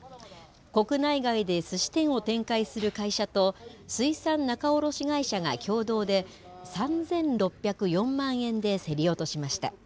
国内外ですし店を展開する会社と、水産仲卸会社が共同で、３６０４万円で競り落としました。